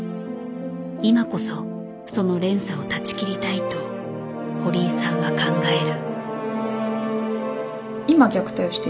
今こそその連鎖を断ち切りたいと堀井さんは考える。